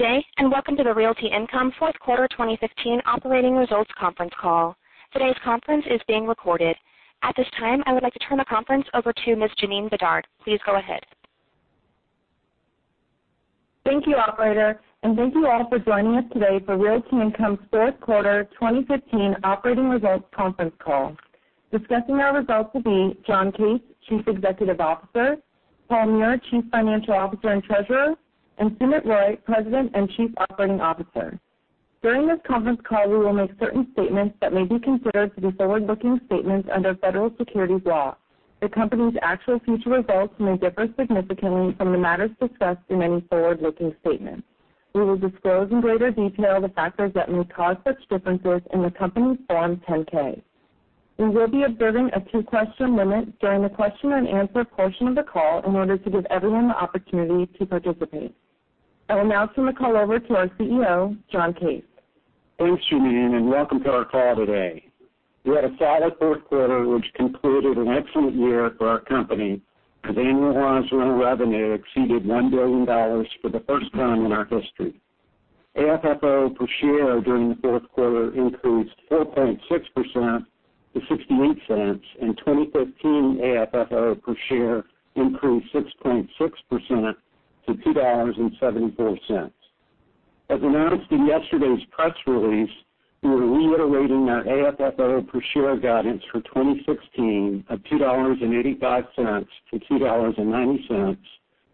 Good day, welcome to the Realty Income Fourth Quarter 2015 Operating Results Conference Call. Today's conference is being recorded. At this time, I would like to turn the conference over to Ms. Janeen Bedard. Please go ahead. Thank you, operator, thank you all for joining us today for Realty Income's Fourth Quarter 2015 operating results conference call. Discussing our results will be John Case, Chief Executive Officer; Paul Meurer, Chief Financial Officer and Treasurer; and Sumit Roy, President and Chief Operating Officer. During this conference call, we will make certain statements that may be considered to be forward-looking statements under the federal securities law. The company's actual future results may differ significantly from the matters discussed in any forward-looking statements. We will disclose in greater detail the factors that may cause such differences in the company's Form 10-K. We will be observing a two-question limit during the question and answer portion of the call in order to give everyone the opportunity to participate. I will now turn the call over to our CEO, John Case. Thanks, Janine, welcome to our call today. We had a solid Fourth Quarter, which concluded an excellent year for our company as annualized rental revenue exceeded one billion dollars for the first time in our history. AFFO per share during the Fourth Quarter increased 4.6% to $0.68, 2015 AFFO per share increased 6.6% to $2.74. As announced in yesterday's press release, we are reiterating our AFFO per share guidance for 2016 of $2.85-$2.90,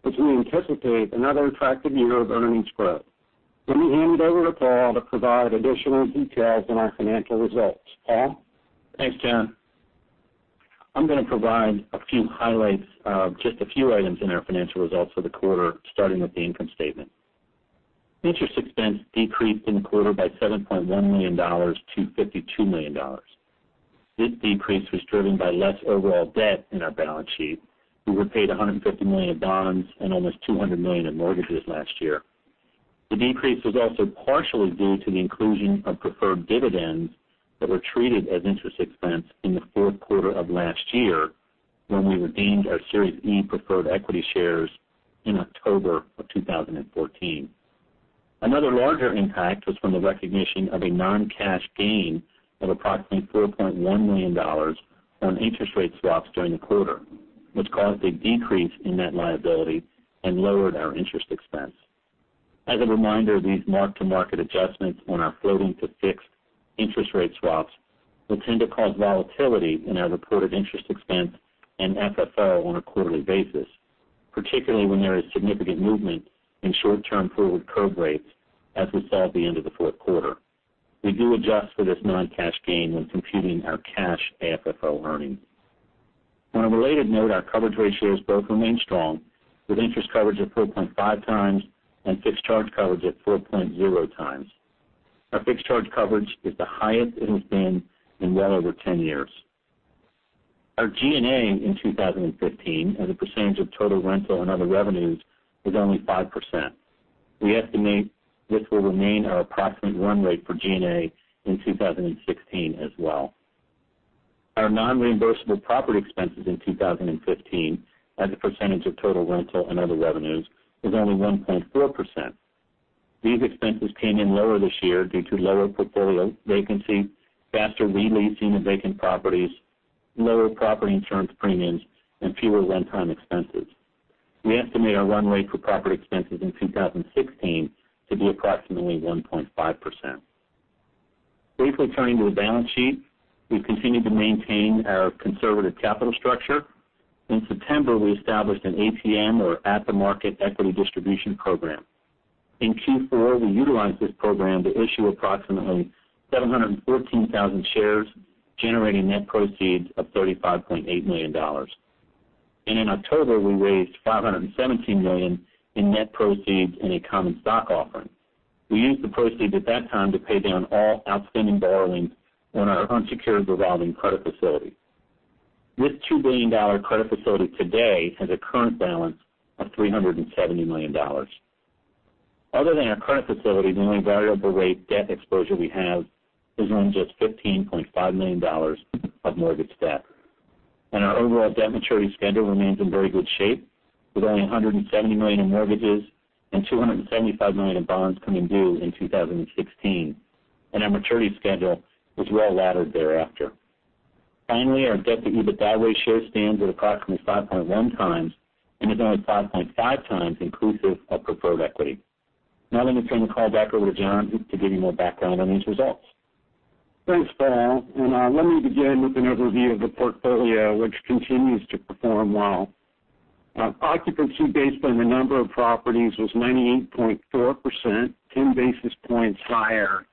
which we anticipate another attractive year of earnings growth. Let me hand it over to Paul to provide additional details on our financial results. Paul? Thanks, John. I'm going to provide a few highlights of just a few items in our financial results for the quarter, starting with the income statement. Interest expense decreased in the quarter by $7.1 million to $52 million. This decrease was driven by less overall debt in our balance sheet. We repaid $150 million of bonds and almost $200 million in mortgages last year. The decrease was also partially due to the inclusion of preferred dividends that were treated as interest expense in the Fourth Quarter of last year when we redeemed our Series E preferred equity shares in October of 2014. Another larger impact was from the recognition of a non-cash gain of approximately $4.1 million on interest rate swaps during the quarter, which caused a decrease in net liability and lowered our interest expense. As a reminder, these mark-to-market adjustments on our floating-to-fixed interest rate swaps will tend to cause volatility in our reported interest expense and FFO on a quarterly basis, particularly when there is significant movement in short-term forward curve rates, as we saw at the end of the fourth quarter. We do adjust for this non-cash gain when computing our cash AFFO earnings. On a related note, our coverage ratios both remain strong, with interest coverage of 4.5 times and fixed charge coverage at 4.0 times. Our fixed charge coverage is the highest it has been in well over 10 years. Our G&A in 2015 as a percentage of total rental and other revenues was only 5%. We estimate this will remain our approximate run rate for G&A in 2016 as well. Our non-reimbursable property expenses in 2015 as a percentage of total rental and other revenues was only 1.4%. These expenses came in lower this year due to lower portfolio vacancy, faster re-leasing of vacant properties, lower property insurance premiums, and fewer re-tenanting expenses. We estimate our run rate for property expenses in 2016 to be approximately 1.5%. Briefly turning to the balance sheet, we've continued to maintain our conservative capital structure. In September, we established an ATM or at-the-market equity distribution program. In Q4, we utilized this program to issue approximately 714,000 shares, generating net proceeds of $35.8 million. In October, we raised $517 million in net proceeds in a common stock offering. We used the proceeds at that time to pay down all outstanding borrowings on our unsecured revolving credit facility. This $2 billion credit facility today has a current balance of $370 million. Other than our current facility, the only variable rate debt exposure we have is on just $15.5 million of mortgage debt. Our overall debt maturity schedule remains in very good shape, with only $170 million in mortgages and $275 million in bonds coming due in 2016, and our maturity schedule is well-laddered thereafter. Finally, our debt-to-EBITDA ratio stands at approximately 5.1 times, and is only 5.5 times inclusive of preferred equity. Now let me turn the call back over to John to give you more background on these results. Thanks, Paul, let me begin with an overview of the portfolio, which continues to perform well. Our occupancy based on the number of properties was 98.4%, 10 basis points higher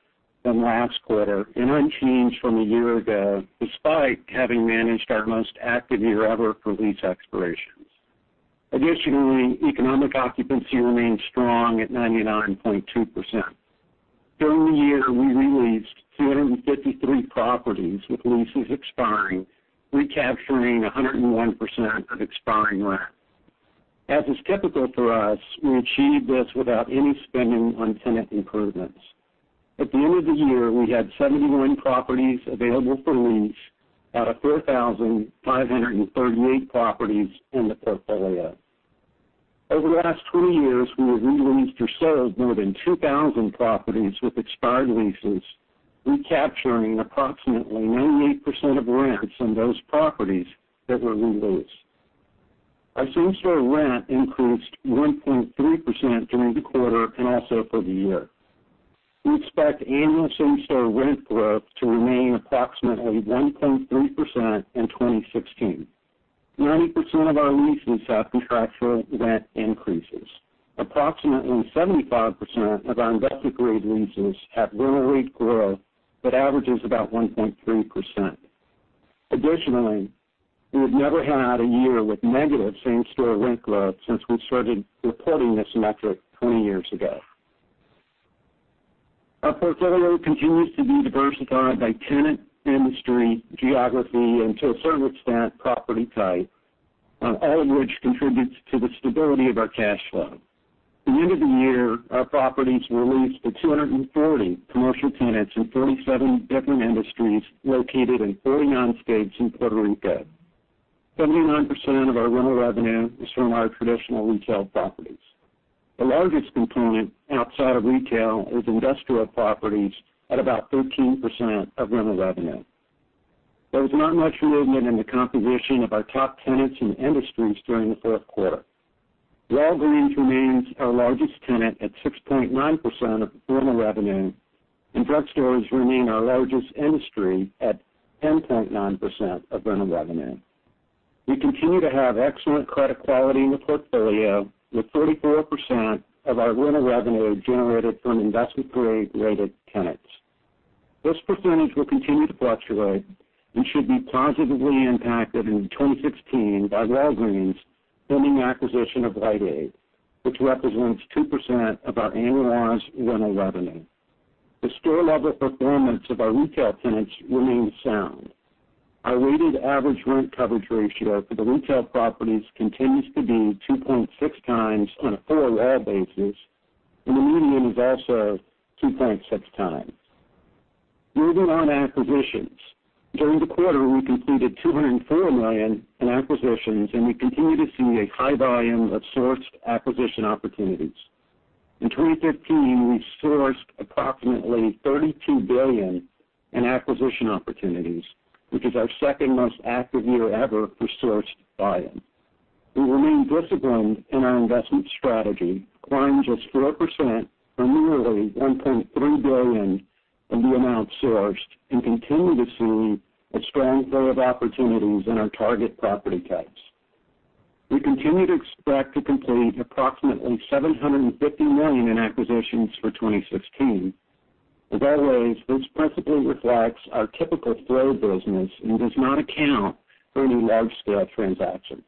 than last quarter and unchanged from a year ago, despite having managed our most active year ever for lease expirations. Additionally, economic occupancy remains strong at 99.2%. During the year, we re-leased 353 properties with leases expiring, recapturing 101% of expiring rent. As is typical for us, we achieved this without any spending on tenant improvements. At the end of the year, we had 71 properties available for lease out of 4,538 properties in the portfolio. Over the last 20 years, we have re-leased or sold more than 2,000 properties with expired leases, recapturing approximately 98% of rents on those properties that were re-leased. Our same-store rent increased 1.3% during the quarter, and also for the year. We expect annual same-store rent growth to remain approximately 1.3% in 2016. 90% of our leases have contractual rent increases. Approximately 75% of our investment-grade leases have rental rate growth that averages about 1.3%. Additionally, we have never had a year with negative same-store rent growth since we started reporting this metric 20 years ago. Our portfolio continues to be diversified by tenant, industry, geography, and to a certain extent, property type, all of which contributes to the stability of our cash flow. At the end of the year, our properties were leased to 240 commercial tenants in 47 different industries, located in 49 states and Puerto Rico. 79% of our rental revenue is from our traditional retail properties. The largest component outside of retail is industrial properties at about 13% of rental revenue. There was not much movement in the composition of our top tenants and industries during the fourth quarter. Walgreens remains our largest tenant at 6.9% of rental revenue, and drugstores remain our largest industry at 10.9% of rental revenue. We continue to have excellent credit quality in the portfolio, with 44% of our rental revenue generated from investment-grade-rated tenants. This percentage will continue to fluctuate and should be positively impacted in 2016 by Walgreens' pending acquisition of Rite Aid, which represents 2% of our annualized rental revenue. The store-level performance of our retail tenants remains sound. Our weighted average rent coverage ratio for the retail properties continues to be 2.6 times on a full-year basis, and the median is also 2.6 times. Moving on to acquisitions. During the quarter, we completed $204 million in acquisitions, and we continue to see a high volume of sourced acquisition opportunities. In 2015, we sourced approximately $32 billion in acquisition opportunities, which is our second-most active year ever for sourced volume. We remain disciplined in our investment strategy, declining just 4% or nearly $1.3 billion in the amount sourced, and continue to see a strong flow of opportunities in our target property types. We continue to expect to complete approximately $750 million in acquisitions for 2016. As always, this principally reflects our typical flow business and does not account for any large-scale transactions.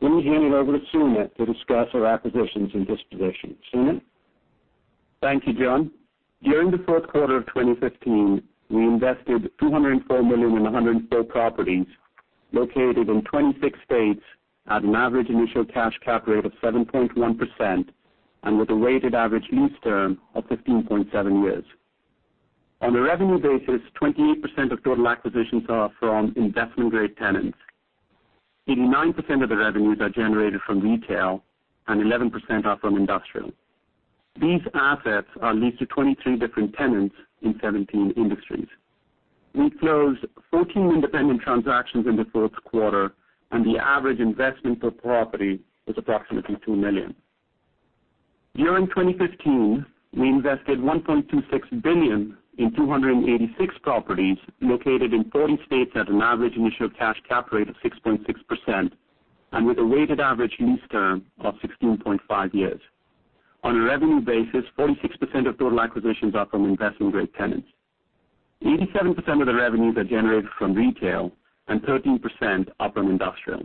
Let me hand it over to Sumit to discuss our acquisitions and dispositions. Sumit? Thank you, John. During the fourth quarter of 2015, we invested $204 million in 104 properties located in 26 states at an average initial cash cap rate of 7.1%, and with a weighted average lease term of 15.7 years. On a revenue basis, 28% of total acquisitions are from investment-grade tenants, 89% of the revenues are generated from retail, and 11% are from industrial. These assets are leased to 23 different tenants in 17 industries. We closed 14 independent transactions in the fourth quarter, and the average investment per property was approximately $2 million. During 2015, we invested $1.26 billion in 286 properties located in 40 states at an average initial cash cap rate of 6.6%, and with a weighted average lease term of 16.5 years. On a revenue basis, 46% of total acquisitions are from investment-grade tenants. 87% of the revenues are generated from retail, and 13% are from industrial.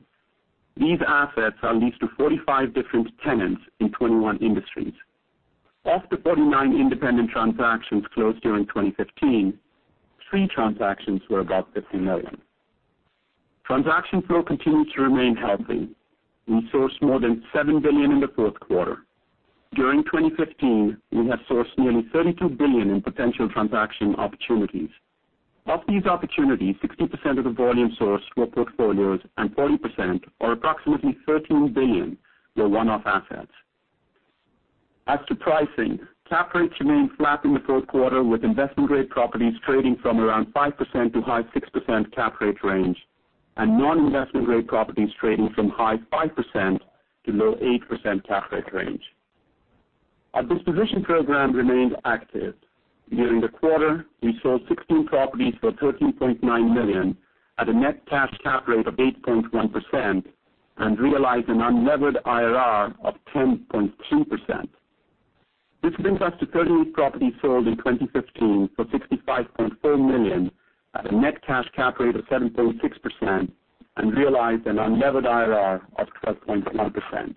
These assets are leased to 45 different tenants in 21 industries. Of the 49 independent transactions closed during 2015, 3 transactions were above $50 million. Transaction flow continues to remain healthy. We sourced more than $7 billion in the fourth quarter. During 2015, we have sourced nearly $32 billion in potential transaction opportunities. Of these opportunities, 60% of the volume sourced were portfolios, and 40%, or approximately $13 billion, were one-off assets. As to pricing, cap rates remained flat in the fourth quarter, with investment-grade properties trading from around 5% to high 6% cap rate range, and non-investment-grade properties trading from high 5% to low 8% cap rate range. Our disposition program remains active. During the quarter, we sold 16 properties for $13.9 million at a net cash cap rate of 8.1% and realized an unlevered IRR of 10.2%. This brings us to 38 properties sold in 2015 for $65.4 million at a net cash cap rate of 7.6% and realized an unlevered IRR of 12.1%.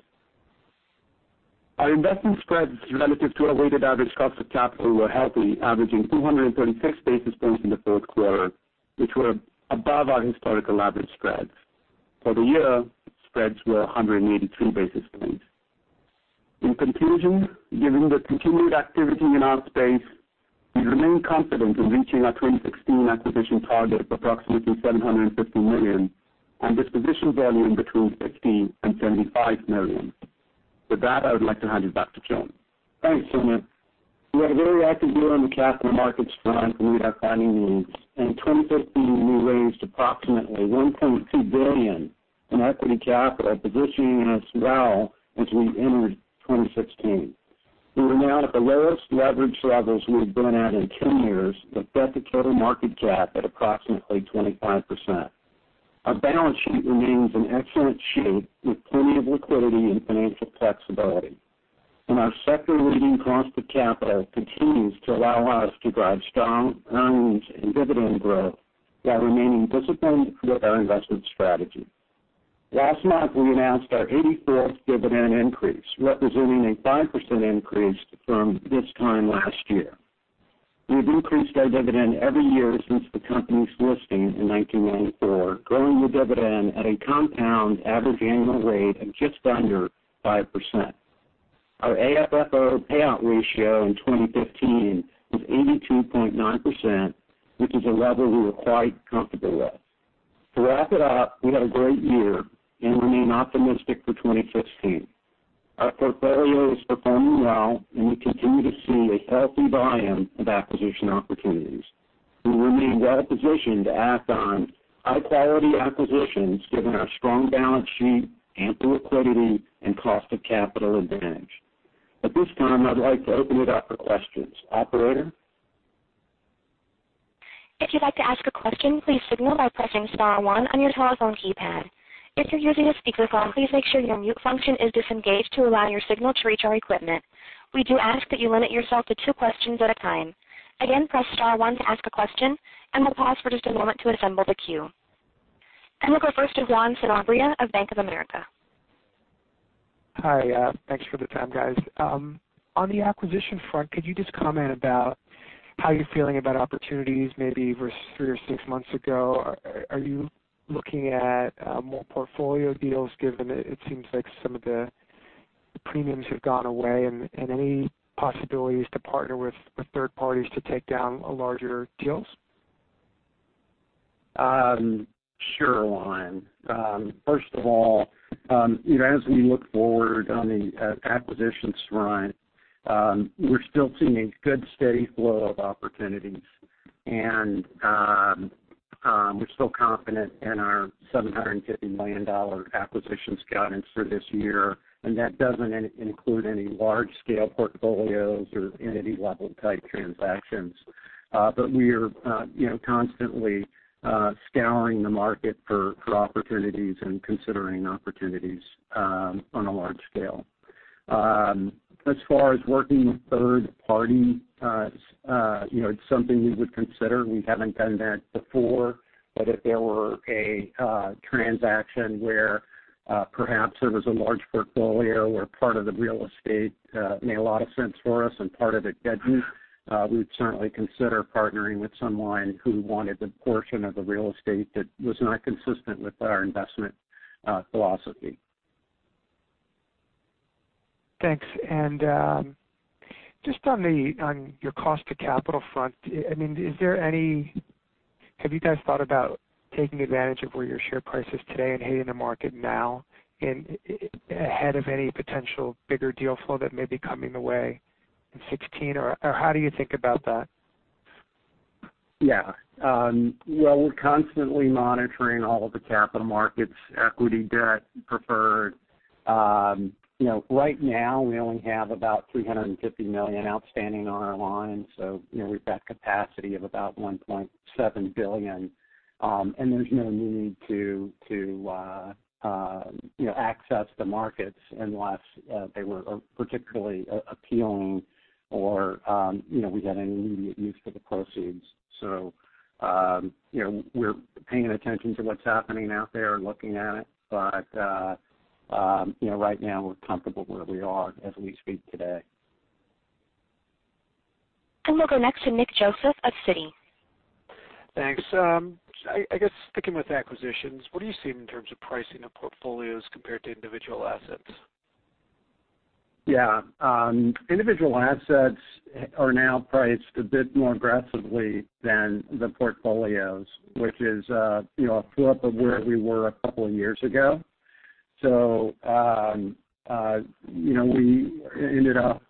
Our investment spreads relative to our weighted average cost of capital were healthy, averaging 236 basis points in the fourth quarter, which were above our historical average spreads. For the year, spreads were 182 basis points. In conclusion, given the continued activity in our space, we remain confident in reaching our 2016 acquisition target of approximately $750 million, and disposition value between $15 million and $75 million. With that, I would like to hand it back to John. Thanks, Sumit. We had a very active year on the capital markets front to meet our funding needs. In 2015, we raised approximately $1.2 billion in equity capital, positioning us well as we entered 2016. We are now at the lowest leverage levels we've been at in 10 years, with debt to total market cap at approximately 25%. Our balance sheet remains in excellent shape with plenty of liquidity and financial flexibility. Our sector-leading cost of capital continues to allow us to drive strong earnings and dividend growth while remaining disciplined with our investment strategy. Last month, we announced our 84th dividend increase, representing a 5% increase from this time last year. We have increased our dividend every year since the company's listing in 1994, growing the dividend at a compound average annual rate of just under 5%. Our AFFO payout ratio in 2015 was 82.9%, which is a level we were quite comfortable with. To wrap it up, we had a great year and remain optimistic for 2016. Our portfolio is performing well, and we continue to see a healthy volume of acquisition opportunities. We remain well-positioned to act on high-quality acquisitions given our strong balance sheet, ample liquidity, and cost of capital advantage. At this time, I'd like to open it up for questions. Operator? If you'd like to ask a question, please signal by pressing *1 on your telephone keypad. If you're using a speakerphone, please make sure your mute function is disengaged to allow your signal to reach our equipment. We do ask that you limit yourself to two questions at a time. Again, press *1 to ask a question, and we'll pause for just a moment to assemble the queue. We'll go first to Juan Sanabria of Bank of America. Hi. Thanks for the time, guys. On the acquisition front, could you just comment about how you're feeling about opportunities maybe versus three or six months ago? Are you looking at more portfolio deals, given it seems like some of the premiums have gone away? Any possibilities to partner with third parties to take down larger deals? Sure, Juan. First of all, as we look forward on the acquisitions front, we're still seeing a good, steady flow of opportunities. We're still confident in our $750 million acquisitions guidance for this year. That doesn't include any large-scale portfolios or entity-level type transactions. We're constantly scouring the market for opportunities and considering opportunities on a large scale. As far as working with third parties, it's something we would consider. We haven't done that before. If there were a transaction where perhaps there was a large portfolio where part of the real estate made a lot of sense for us and part of it didn't, we would certainly consider partnering with someone who wanted the portion of the real estate that was not consistent with our investment philosophy. Thanks. Just on your cost to capital front, have you guys thought about taking advantage of where your share price is today and hitting the market now ahead of any potential bigger deal flow that may be coming the way in 2016? How do you think about that? Yeah. Well, we're constantly monitoring all of the capital markets, equity, debt, preferred. Right now we only have about $350 million outstanding on our lines, so we've got capacity of about $1.7 billion. There's no need to access the markets unless they were particularly appealing or we had an immediate use for the proceeds. We're paying attention to what's happening out there and looking at it. Right now, we're comfortable where we are as we speak today. We'll go next to Nick Joseph at Citi. Thanks. I guess sticking with acquisitions, what are you seeing in terms of pricing of portfolios compared to individual assets? Individual assets are now priced a bit more aggressively than the portfolios, which is a flip of where we were a couple of years ago. We ended up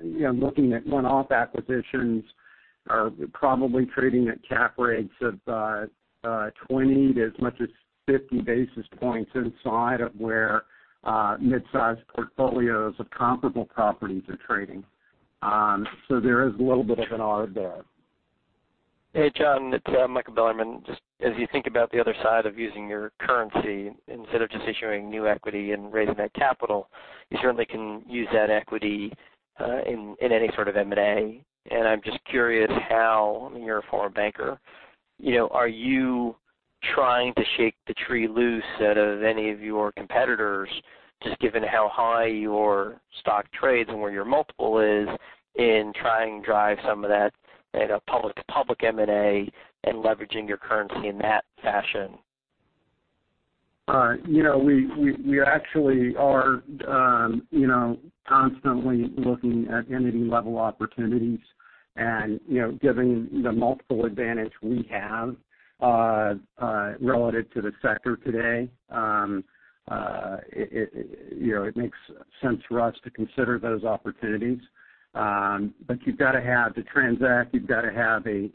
looking at one-off acquisitions are probably trading at cap rates of 20 to as much as 50 basis points inside of where mid-size portfolios of comparable properties are trading. There is a little bit of an arb there. Hey, John, it's Michael Bilerman. Just as you think about the other side of using your currency instead of just issuing new equity and raising that capital, you certainly can use that equity in any sort of M&A. I'm just curious how, you're a former banker, are you trying to shake the tree loose out of any of your competitors just given how high your stock trades and where your multiple is in trying to drive some of that in a public M&A and leveraging your currency in that fashion? We actually are constantly looking at entity-level opportunities, and given the multiple advantage we have relative to the sector today, it makes sense for us to consider those opportunities. To transact, you've got to have a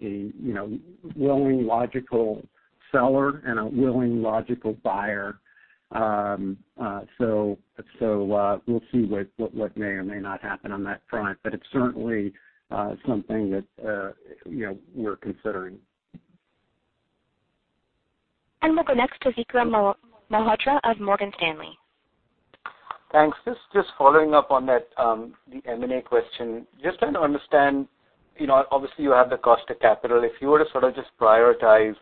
willing, logical seller and a willing, logical buyer. We'll see what may or may not happen on that front, but it's certainly something that we're considering. We'll go next to Vikram Malhotra of Morgan Stanley. Thanks. Just following up on the M&A question, just trying to understand, obviously, you have the cost of capital. If you were to just prioritize,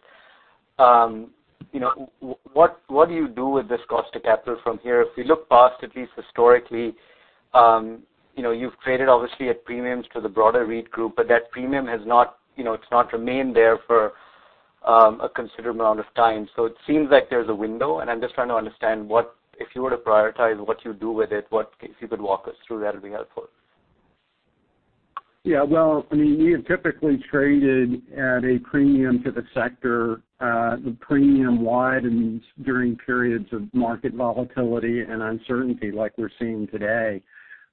what do you do with this cost of capital from here? If you look past at least historically, you've traded obviously at premiums to the broader REIT group, but that premium has not remained there for a considerable amount of time. It seems like there's a window, and I'm just trying to understand, if you were to prioritize what you do with it, if you could walk us through, that'd be helpful. Yeah. We have typically traded at a premium to the sector. The premium widens during periods of market volatility and uncertainty like we're seeing today.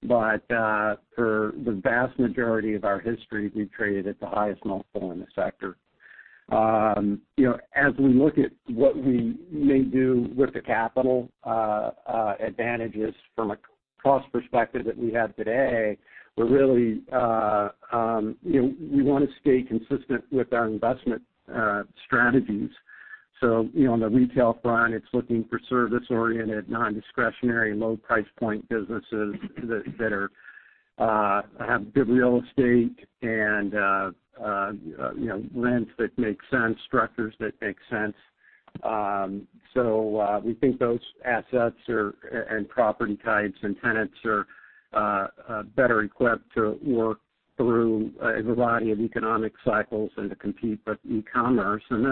For the vast majority of our history, we've traded at the highest multiple in the sector. As we look at what we may do with the capital advantages from a cost perspective that we have today, we want to stay consistent with our investment strategies. On the retail front, it's looking for service-oriented, non-discretionary, low price point businesses that have good real estate and rents that make sense, structures that make sense.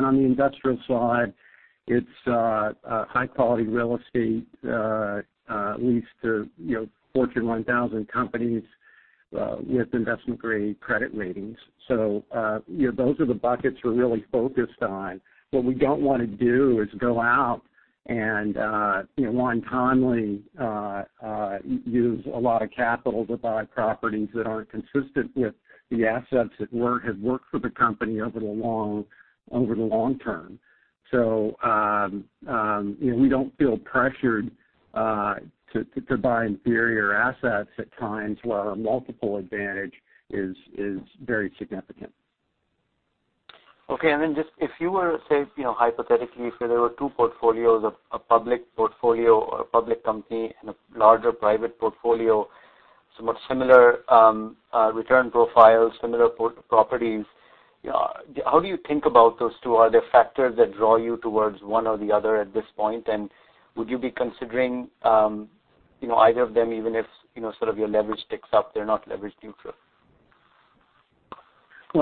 On the industrial side, it's high-quality real estate leased to Fortune 1000 companies with investment-grade credit ratings. Those are the buckets we're really focused on. What we don't want to do is go out and untimely use a lot of capital to buy properties that aren't consistent with the assets that have worked for the company over the long term. We don't feel pressured to buy inferior assets at times where our multiple advantage is very significant. Okay. If you were to say, hypothetically, if there were two portfolios of a public portfolio or a public company and a larger private portfolio, somewhat similar return profiles, similar properties, how do you think about those two? Are there factors that draw you towards one or the other at this point? Would you be considering either of them, even if your leverage ticks up? They're not leverage neutral. We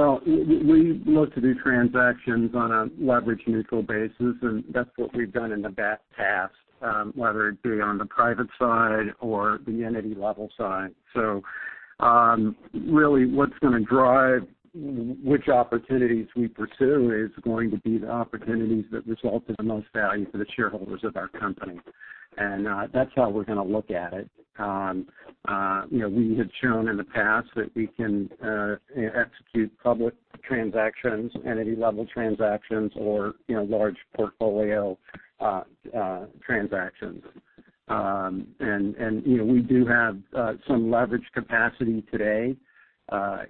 look to do transactions on a leverage-neutral basis, That's what we've done in the vast past, whether it be on the private side or the entity-level side. Really what's going to drive which opportunities we pursue is going to be the opportunities that result in the most value for the shareholders of our company. That's how we're going to look at it. We have shown in the past that we can execute public transactions, entity-level transactions, or large portfolio transactions. We do have some leverage capacity today. As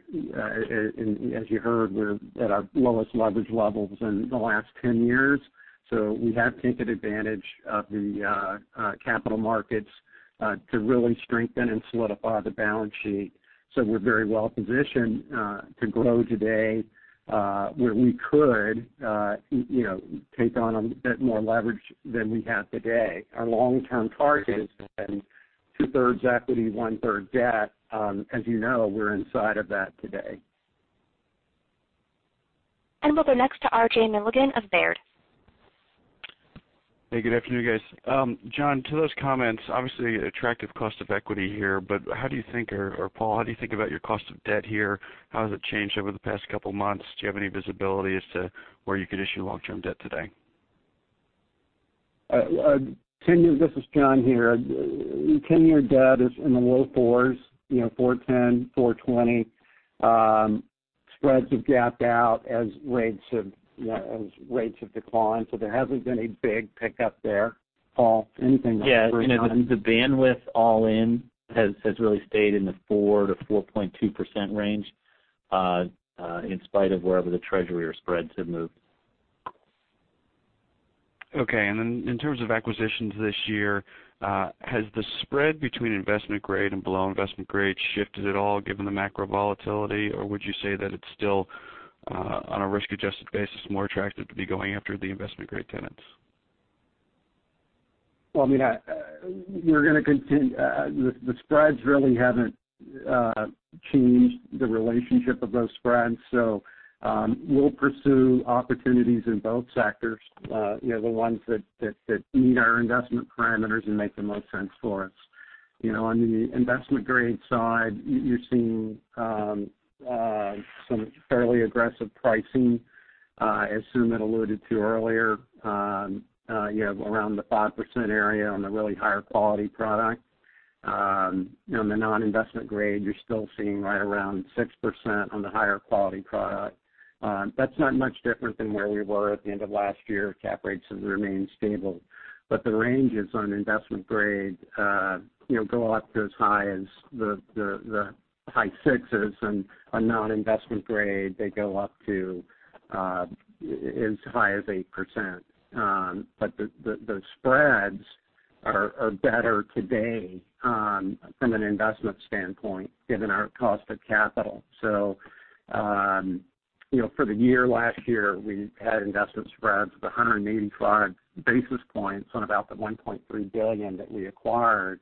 you heard, we're at our lowest leverage levels in the last 10 years, We have taken advantage of the capital markets to really strengthen and solidify the balance sheet. We're very well positioned to grow today, where we could take on a bit more leverage than we have today. Our long-term target has been two-thirds equity, one-third debt. As you know, we're inside of that today. We'll go next to RJ Milligan of Baird. Hey, good afternoon, guys. John, to those comments, obviously attractive cost of equity here, How do you think, or Paul, how do you think about your cost of debt here? How has it changed over the past couple of months? Do you have any visibility as to where you could issue long-term debt today? This is John. Ten-year debt is in the low fours, 410, 420. Spreads have gapped out as rates have declined, so there hasn't been a big pickup there. Paul, anything on- Yeah. The bandwidth all in has really stayed in the 4% to 4.2% range in spite of wherever the Treasury or spreads have moved. Okay. In terms of acquisitions this year, has the spread between investment-grade and below investment-grade shifted at all given the macro volatility? Would you say that it's still, on a risk-adjusted basis, more attractive to be going after the investment-grade tenants? Well, we're going to continue. The spreads really haven't changed the relationship of those spreads. We'll pursue opportunities in both sectors, the ones that meet our investment parameters and make the most sense for us. On the investment grade side, you're seeing some fairly aggressive pricing, as Sumit alluded to earlier. You have around the 5% area on the really higher quality product. In the non-investment grade, you're still seeing right around 6% on the higher quality product. That's not much different than where we were at the end of last year. cap rates have remained stable. The ranges on investment grade go up to as high as the high sixes, and on non-investment grade, they go up to as high as 8%. The spreads are better today from an investment standpoint, given our cost of capital. For the year last year, we had investment spreads of 182 basis points on about the $1.3 billion that we acquired.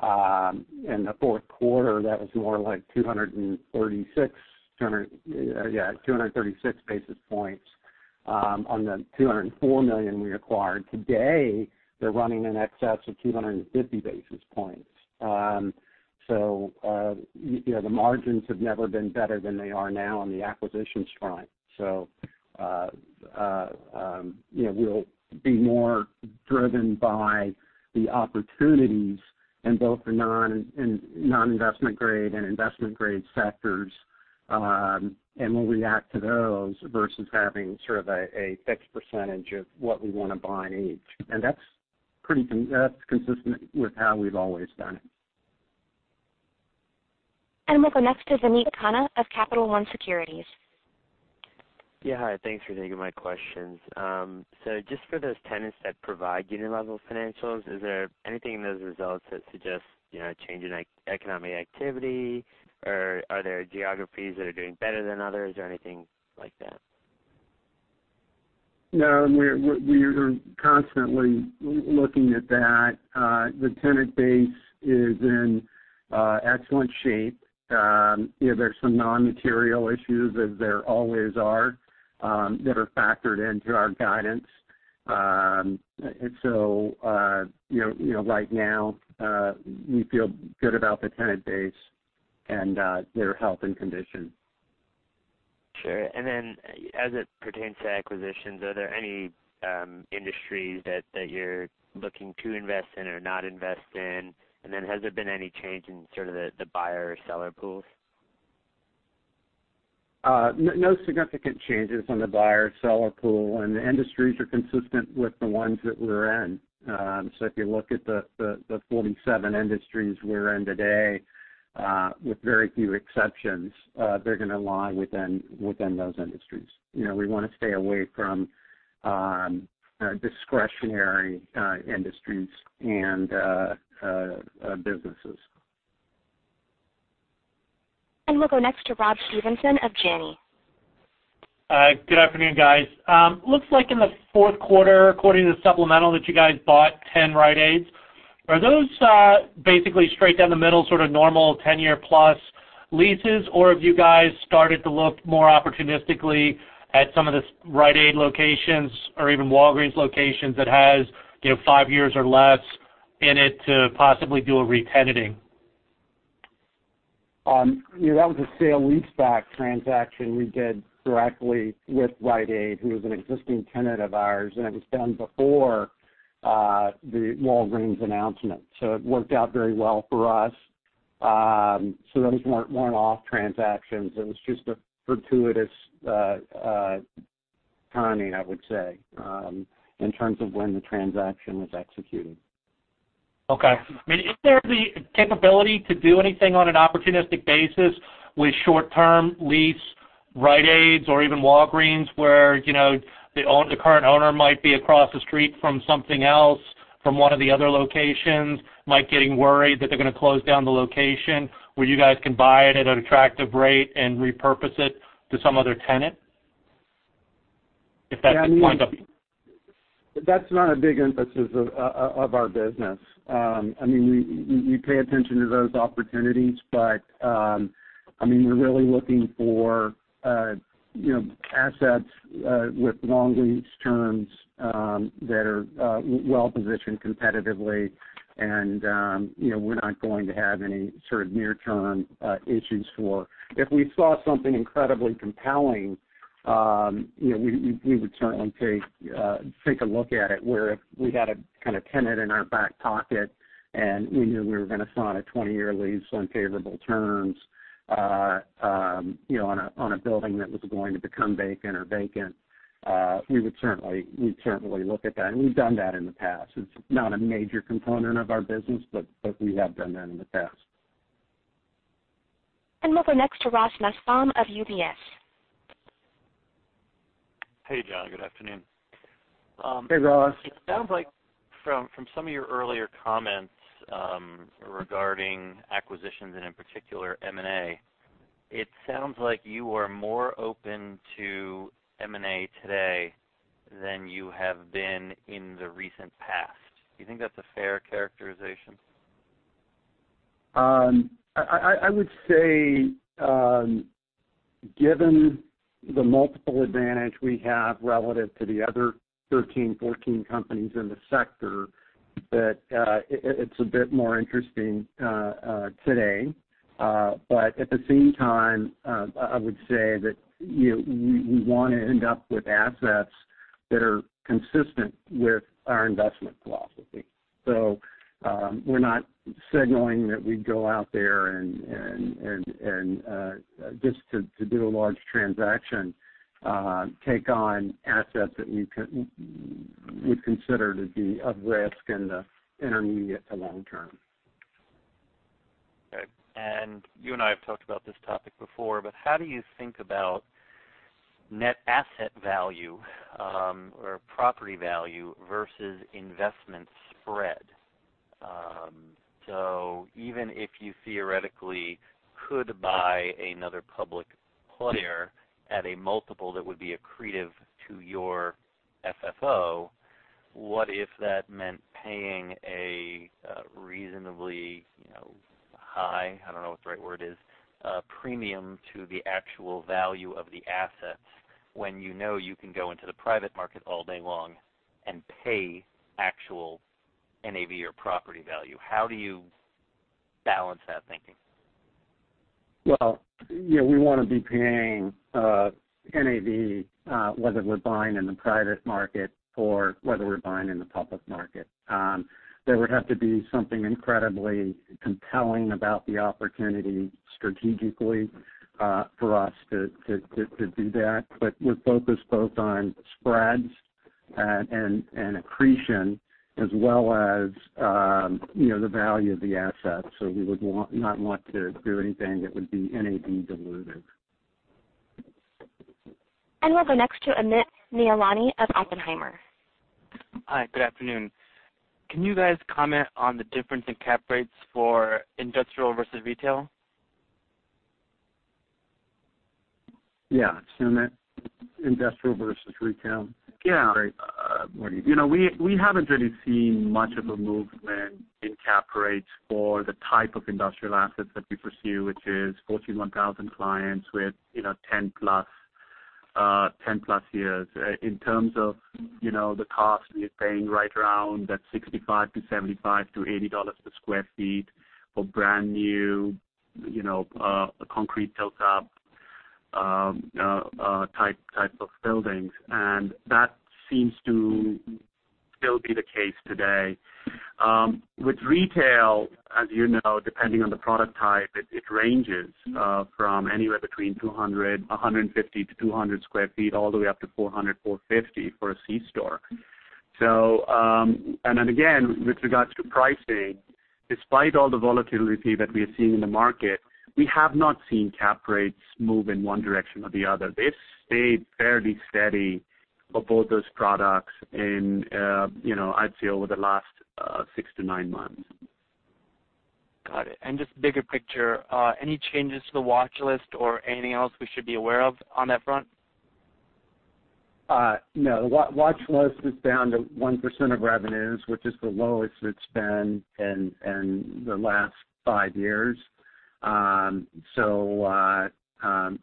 In the fourth quarter, that was more like 236 basis points on the $204 million we acquired. Today, they're running in excess of 250 basis points. The margins have never been better than they are now on the acquisitions front. We'll be more driven by the opportunities in both the non-investment grade and investment grade sectors. We'll react to those versus having sort of a fixed percentage of what we want to buy in each. That's consistent with how we've always done it. We'll go next to Sameet Khanna of Capital One Securities. Yeah, hi. Thanks for taking my questions. Just for those tenants that provide unit-level financials, is there anything in those results that suggest a change in economic activity, or are there geographies that are doing better than others or anything like that? No, we are constantly looking at that. The tenant base is in excellent shape. There's some non-material issues, as there always are, that are factored into our guidance. Right now we feel good about the tenant base and their health and condition. Sure. As it pertains to acquisitions, are there any industries that you're looking to invest in or not invest in? Has there been any change in sort of the buyer or seller pools? No significant changes on the buyer-seller pool, the industries are consistent with the ones that we're in. If you look at the 47 industries we're in today, with very few exceptions, they're going to lie within those industries. We want to stay away from discretionary industries and businesses. We'll go next to Rob Stevenson of Janney. Good afternoon, guys. Looks like in the fourth quarter, according to the supplemental that you guys bought 10 Rite Aids. Are those basically straight down the middle sort of normal 10-year plus leases, or have you guys started to look more opportunistically at some of the Rite Aid locations or even Walgreens locations that has five years or less in it to possibly do a re-tenanting? That was a sale-leaseback transaction we did directly with Rite Aid, who is an existing tenant of ours, and it was done before the Walgreens announcement. It worked out very well for us. Those weren't one-off transactions. It was just a fortuitous timing, I would say, in terms of when the transaction was executed. Okay. Is there the capability to do anything on an opportunistic basis with short-term lease Rite Aids or even Walgreens where the current owner might be across the street from something else from one of the other locations, might getting worried that they're going to close down the location where you guys can buy it at an attractive rate and repurpose it to some other tenant? If that's lined up. That's not a big emphasis of our business. We pay attention to those opportunities, we're really looking for assets with long lease terms that are well-positioned competitively and we're not going to have any sort of near-term issues for. If we saw something incredibly compelling, we would certainly take a look at it, where if we had a kind of tenant in our back pocket and we knew we were going to sign a 20-year lease on favorable terms on a building that was going to become vacant, we'd certainly look at that, and we've done that in the past. It's not a major component of our business, we have done that in the past. We'll go next to Ross Nussbaum of UBS. Hey, John. Good afternoon. Hey, Ross. It sounds like from some of your earlier comments regarding acquisitions and in particular M&A. It sounds like you are more open to M&A today than you have been in the recent past. Do you think that's a fair characterization? I would say, given the multiple advantage we have relative to the other 13, 14 companies in the sector, that it's a bit more interesting today. At the same time, I would say that we want to end up with assets that are consistent with our investment philosophy. We're not signaling that we'd go out there and just to do a large transaction, take on assets that we'd consider to be of risk in the intermediate to long term. You and I have talked about this topic before, but how do you think about net asset value, or property value versus investment spread? Even if you theoretically could buy another public player at a multiple that would be accretive to your FFO, what if that meant paying a reasonably high, I don't know what the right word is, premium to the actual value of the assets when you know you can go into the private market all day long and pay actual NAV or property value? How do you balance that thinking? Well, we want to be paying NAV, whether we're buying in the private market or whether we're buying in the public market. There would have to be something incredibly compelling about the opportunity strategically, for us to do that. We're focused both on spreads and accretion as well as the value of the assets. We would not want to do anything that would be NAV dilutive. We'll go next to Amit Meyyani of Oppenheimer. Hi, good afternoon. Can you guys comment on the difference in cap rates for industrial versus retail? Yeah. Amit, industrial versus retail? Yeah. Great. We haven't really seen much of a movement in cap rates for the type of industrial assets that we pursue, which is Fortune 1000 clients with 10+ years. In terms of the cost, we are paying right around that $65 to $75 to $80 per sq ft for brand new, concrete tilt-up type of buildings. That seems to still be the case today. With retail, as you know, depending on the product type, it ranges from anywhere between 200, 150 to 200 sq ft, all the way up to 400, 450 for a C store. Again, with regards to pricing, despite all the volatility that we are seeing in the market, we have not seen cap rates move in one direction or the other. They've stayed fairly steady for both those products in, I'd say, over the last six to nine months. Got it. Just bigger picture, any changes to the watch list or anything else we should be aware of on that front? No. Watch list is down to 1% of revenues, which is the lowest it's been in the last five years.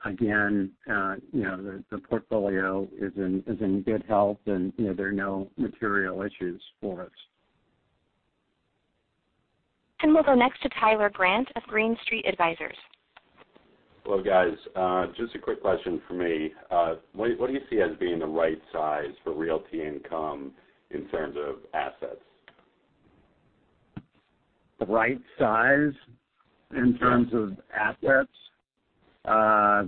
Again, the portfolio is in good health and there are no material issues for us. We'll go next to Tyler Grant of Green Street Advisors. Hello, guys. Just a quick question from me. What do you see as being the right size for Realty Income in terms of assets? The right size in terms of assets? Yeah.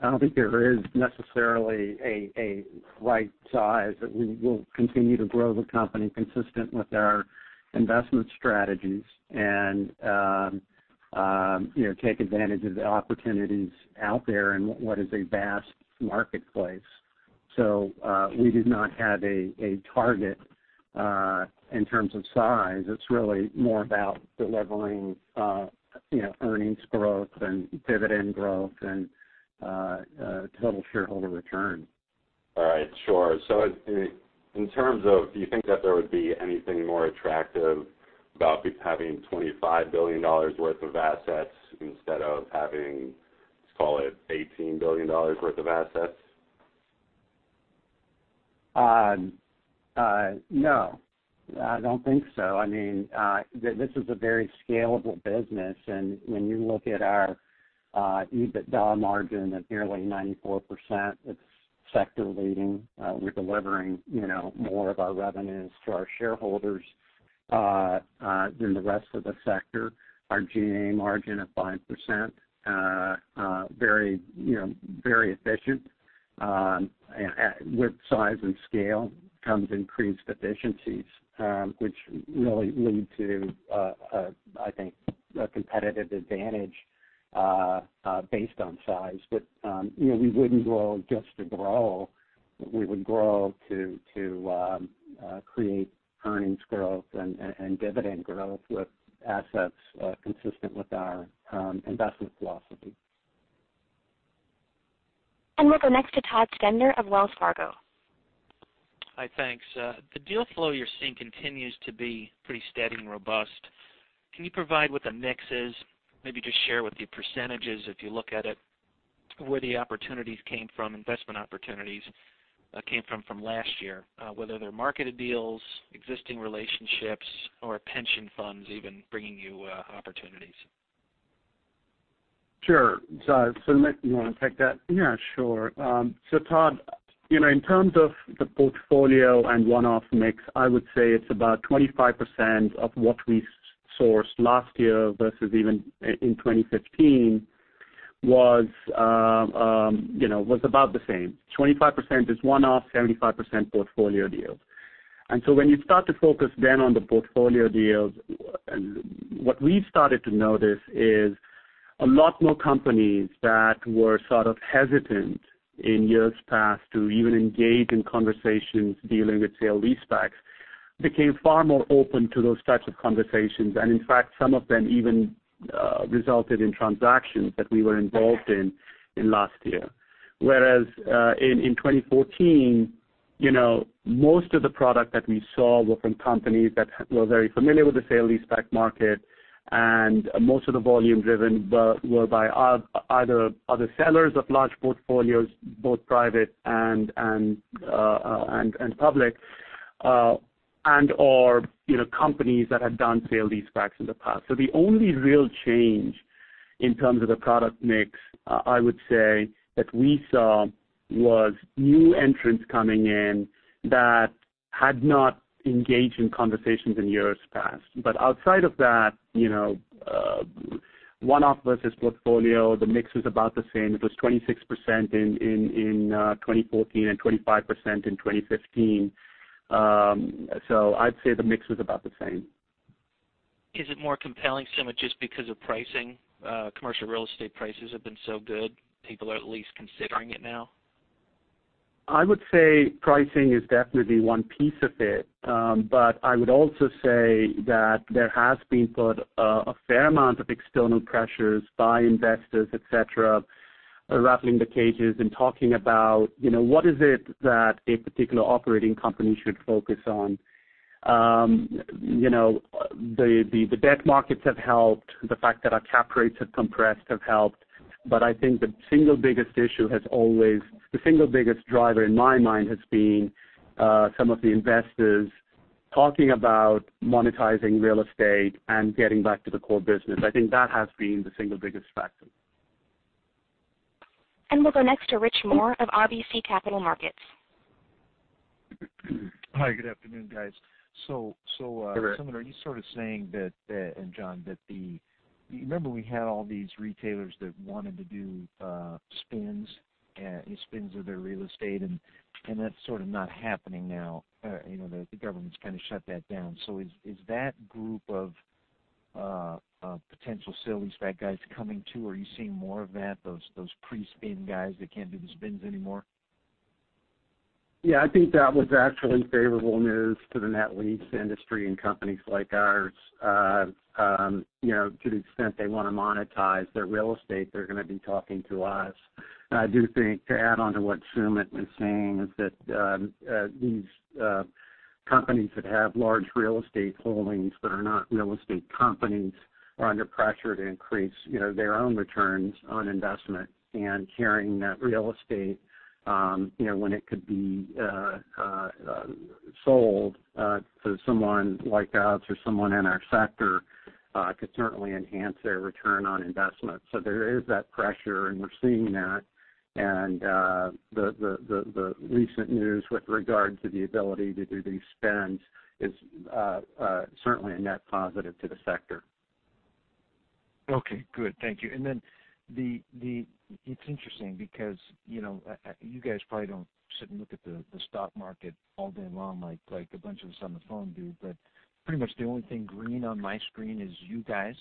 I don't think there is necessarily a right size, but we will continue to grow the company consistent with our investment strategies and take advantage of the opportunities out there in what is a vast marketplace. We do not have a target, in terms of size. It's really more about delivering earnings growth and dividend growth and total shareholder return. All right, sure. In terms of, do you think that there would be anything more attractive about having $25 billion worth of assets instead of having, let's call it, $18 billion worth of assets? No. I don't think so. This is a very scalable business. When you look at our EBITDA margin at nearly 94%, it's sector-leading. We're delivering more of our revenues to our shareholders than the rest of the sector. Our G&A margin of 5%, very efficient. With size and scale comes increased efficiencies, which really lead to, I think, a competitive advantage based on size. We wouldn't grow just to grow. We would grow to create earnings growth and dividend growth with assets consistent with our investment philosophy. We'll go next to Todd Stender of Wells Fargo. Hi, thanks. The deal flow you're seeing continues to be pretty steady and robust. Can you provide what the mix is? Maybe just share what the percentage is if you look at it, where the investment opportunities came from from last year, whether they're marketed deals, existing relationships, or pension funds even bringing you opportunities. Sure. Sumit, you want to take that? Yeah, sure. Todd, in terms of the portfolio and one-off mix, I would say it's about 25% of what we sourced last year versus even in 2015 was about the same. 25% is one-off, 75% portfolio deals. When you start to focus then on the portfolio deals, what we've started to notice is a lot more companies that were sort of hesitant in years past to even engage in conversations dealing with sale-leasebacks, became far more open to those types of conversations. In fact, some of them even resulted in transactions that we were involved in in last year. Whereas in 2014, most of the product that we saw were from companies that were very familiar with the sale-leaseback market, and most of the volume driven were by either other sellers of large portfolios, both private and public, and/or companies that had done sale-leasebacks in the past. The only real change in terms of the product mix, I would say that we saw was new entrants coming in that had not engaged in conversations in years past. Outside of that, one-off versus portfolio, the mix was about the same. It was 26% in 2014 and 25% in 2015. I'd say the mix was about the same. Is it more compelling, Sumit, just because of pricing? Commercial real estate prices have been so good, people are at least considering it now. I would say pricing is definitely one piece of it. I would also say that there has been put a fair amount of external pressures by investors, et cetera, rattling the cages and talking about, what is it that a particular operating company should focus on. The debt markets have helped. The fact that our cap rates have compressed have helped. I think the single biggest driver in my mind has been some of the investors talking about monetizing real estate and getting back to the core business. I think that has been the single biggest factor. We'll go next to Richard Moore of RBC Capital Markets. Hi, good afternoon guys. Hi, Rich. Sumit, are you sort of saying that, and John, remember we had all these retailers that wanted to do spins of their real estate, and that's sort of not happening now. The government's kind of shut that down. Is that group of potential sale-leaseback guys coming too? Are you seeing more of that, those pre-spin guys that can't do the spins anymore? Yeah, I think that was actually favorable news to the net lease industry and companies like ours. To the extent they want to monetize their real estate, they're going to be talking to us. I do think, to add on to what Sumit was saying, is that these companies that have large real estate holdings that are not real estate companies are under pressure to increase their own returns on investment. Carrying that real estate when it could be sold to someone like us or someone in our sector could certainly enhance their return on investment. There is that pressure, and we're seeing that. The recent news with regard to the ability to do these spins is certainly a net positive to the sector. Okay, good. Thank you. It's interesting because you guys probably don't sit and look at the stock market all day long like a bunch of us on the phone do, but pretty much the only thing green on my screen is you guys.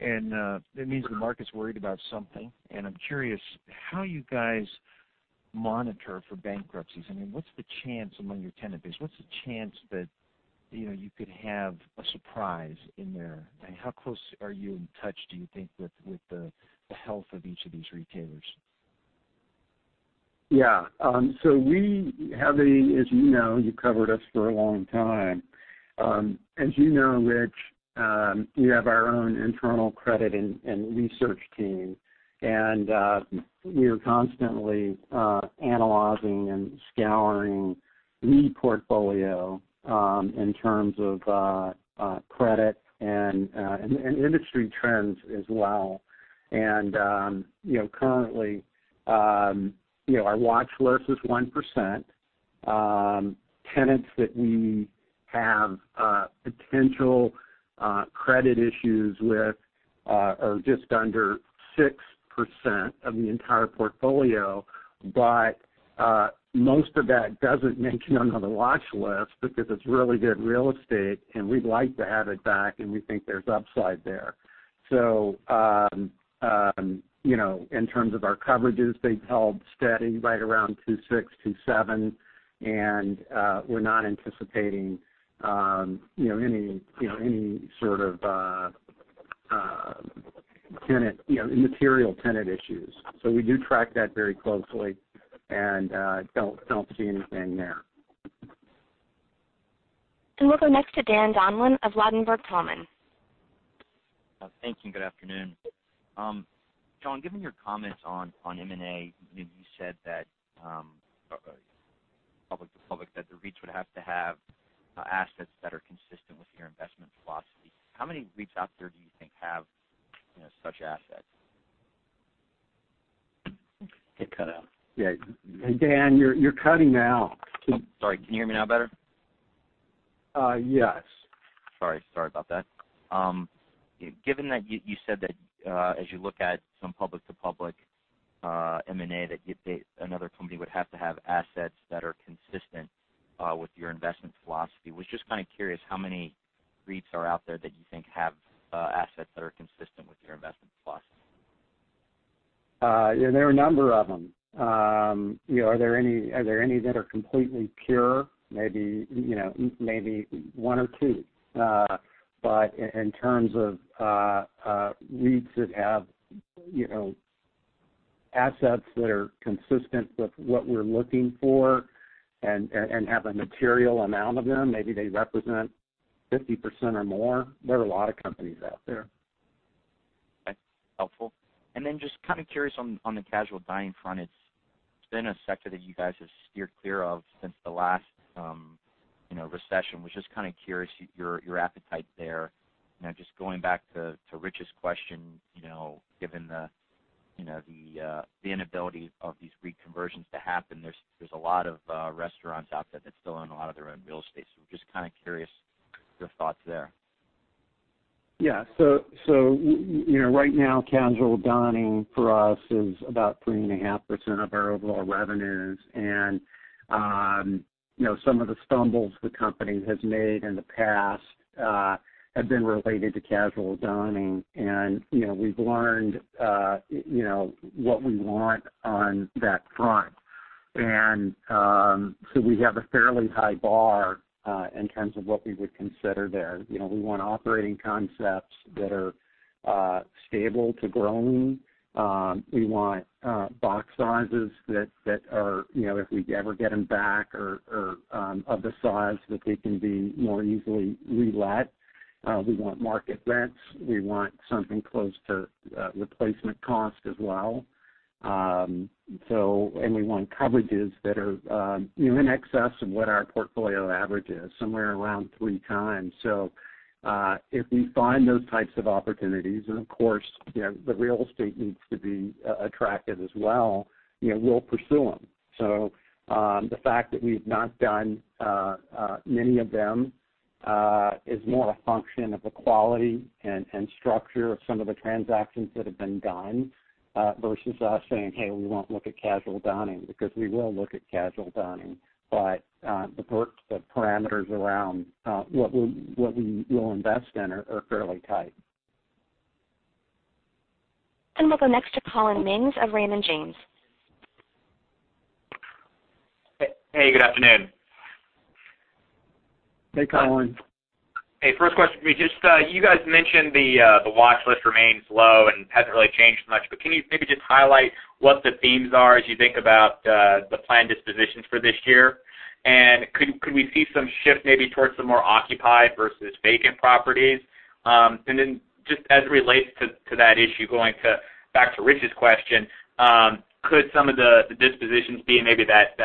That means the market's worried about something. I'm curious how you guys monitor for bankruptcies. I mean, what's the chance among your tenant base? What's the chance that you could have a surprise in there? How close are you in touch, do you think, with the health of each of these retailers? Yeah. We have a, as you know, you've covered us for a long time. As you know, Rich, we have our own internal credit and research team, and we are constantly analyzing and scouring the portfolio in terms of credit and industry trends as well. Currently, our watch list is 1%. Tenants that we have potential credit issues with are just under 6% of the entire portfolio. Most of that doesn't make it onto the watch list because it's really good real estate, and we'd like to have it back, and we think there's upside there. In terms of our coverages, they've held steady right around 2.6, 2.7, and we're not anticipating any sort of material tenant issues. We do track that very closely and don't see anything there. We'll go next to Dan Donlon of Ladenburg Thalmann. Thank you. Good afternoon. John, given your comments on M&A, you said that public-to-public, that the REITs would have to have assets that are consistent with your investment philosophy. How many REITs out there do you think have such assets? It cut out. Yeah. Dan, you're cutting out. Oh, sorry. Can you hear me now better? Yes. Sorry about that. Given that you said that as you look at some public-to-public M&A, that another company would have to have assets that are consistent with your investment philosophy. Was just kind of curious how many REITs are out there that you think have assets that are consistent with your investment philosophy? There are a number of them. Are there any that are completely pure? Maybe one or two. In terms of REITs that have assets that are consistent with what we're looking for and have a material amount of them, maybe they represent 50% or more, there are a lot of companies out there. Okay. Helpful. Just kind of curious on the casual dining front, it's been a sector that you guys have steered clear of since the last recession. Was just kind of curious your appetite there. Just going back to Rich's question, given the inability of these REIT conversions to happen, there's a lot of restaurants out there that still own a lot of their own real estate. Just kind of curious your thoughts there. Yeah. Right now, casual dining for us is about 3.5% of our overall revenues. Some of the stumbles the company has made in the past have been related to casual dining. We've learned what we want on that front. We have a fairly high bar in terms of what we would consider there. We want operating concepts that are stable to growing. We want box sizes that are, if we ever get them back, are of the size that they can be more easily relet. We want market rents. We want something close to replacement cost as well. We want coverages that are in excess of what our portfolio average is, somewhere around three times. If we find those types of opportunities, and of course, the real estate needs to be attractive as well, we'll pursue them. The fact that we've not done many of them is more a function of the quality and structure of some of the transactions that have been done versus us saying, "Hey, we won't look at casual dining," because we will look at casual dining. The parameters around what we will invest in are fairly tight. We'll go next to Collin Mings of Raymond James. Hey, good afternoon. Hey, Collin. First question for you. You guys mentioned the watch list remains low and hasn't really changed much, can you maybe just highlight what the themes are as you think about the planned dispositions for this year? Could we see some shift maybe towards the more occupied versus vacant properties? Just as it relates to that issue, going back to Rich's question, could some of the dispositions be maybe that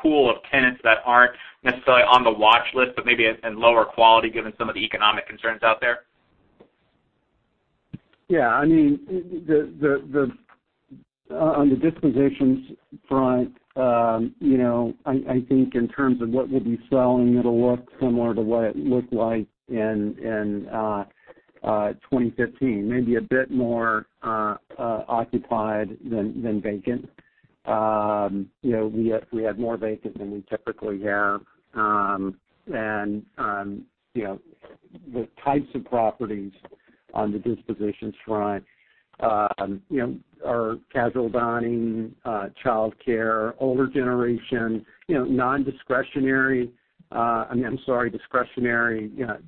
pool of tenants that aren't necessarily on the watch list, but maybe in lower quality given some of the economic concerns out there? Yeah. On the dispositions front, I think in terms of what we'll be selling, it'll look similar to what it looked like in 2015, maybe a bit more occupied than vacant. We have more vacant than we typically have. The types of properties on the dispositions front are casual dining, childcare, older generation, discretionary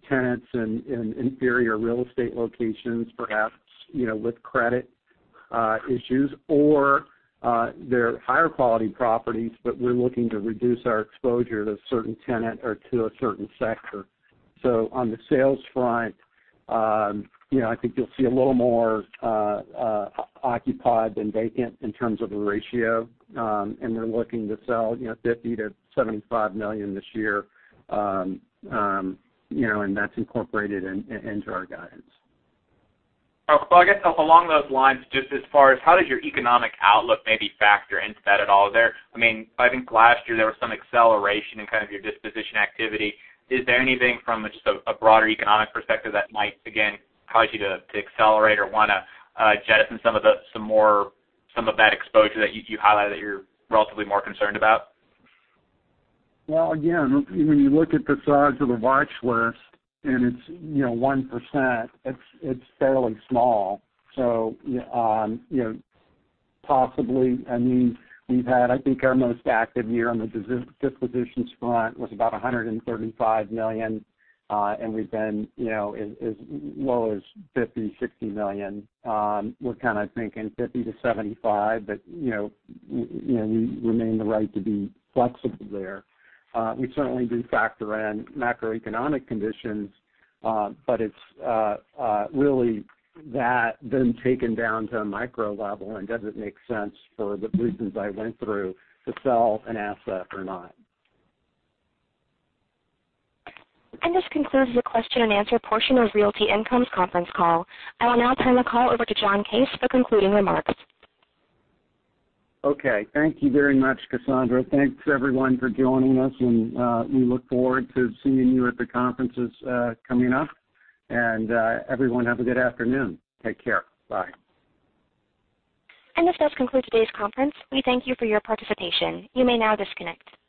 tenants in inferior real estate locations, perhaps with credit issues. They're higher-quality properties, but we're looking to reduce our exposure to a certain tenant or to a certain sector. On the sales front, I think you'll see a little more occupied than vacant in terms of the ratio. We're looking to sell $50 million to $75 million this year, and that's incorporated into our guidance. Well, I guess along those lines, just as far as how does your economic outlook maybe factor into that at all there? I think last year there was some acceleration in kind of your disposition activity. Is there anything from just a broader economic perspective that might again cause you to accelerate or want to jettison some of that exposure that you highlight that you're relatively more concerned about? Well, again, when you look at the size of the watch list, it's 1%, it's fairly small. Possibly, we've had, I think our most active year on the dispositions front was about $135 million, and we've been as low as $50 million, $60 million. We're kind of thinking $50 million to $75 million, but we remain the right to be flexible there. We certainly do factor in macroeconomic conditions, but it's really that then taken down to a micro level, does it make sense for the reasons I went through to sell an asset or not? This concludes the question and answer portion of Realty Income's conference call. I will now turn the call over to John Case for concluding remarks. Okay. Thank you very much, Cassandra. Thanks everyone for joining us, and we look forward to seeing you at the conferences coming up. Everyone have a good afternoon. Take care. Bye. This does conclude today's conference. We thank you for your participation. You may now disconnect.